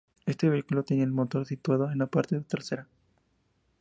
Este vehículo tenía el motor situado en la parte trasera.